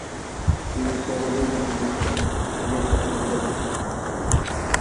তিনি Sergey Brin এর সাথে গুগল প্রতিষ্ঠা করেন।